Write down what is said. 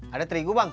ada terigu bang